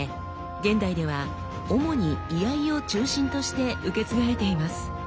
現代では主に居合を中心として受け継がれています。